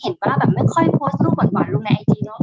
เห็นว่าไม่ค่อยโพสต์รูปหวั่นหวั่นนร์ในไอจีเนอะ